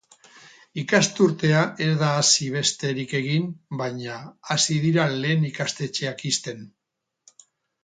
Ikasturtea ez da hasi besterik egin baina hasi dira lehen ikastetxeak ixten.